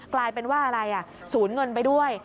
กลายเป็นว่าอะไรสูญเงินไปด้วย